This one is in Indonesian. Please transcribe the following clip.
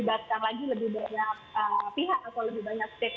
dan mungkin masih ada opsiopi lain yang juga akan kita tempuh